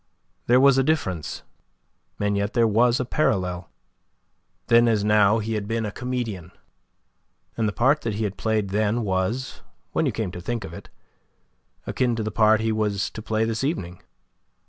There was a difference, and yet there was a parallel. Then as now he had been a comedian; and the part that he had played then was, when you came to think of it, akin to the part he was to play this evening.